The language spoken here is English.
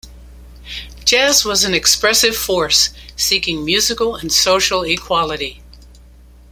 Jazz was an expressive force seeking musical and social equality.